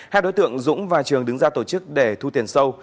hai đối tượng dũng và trường đứng ra tổ chức để thu tiền sâu